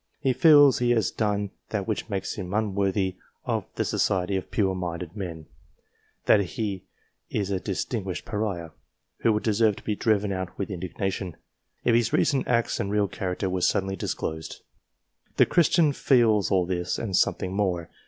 He feels he has done that which makes him unworthy of the society of pure minded men ; that he is a disguised pariah, who would deserve to be driven out with indignation, if his recent acts and real character were suddenly disclosed. The Christian feels all this, and something more.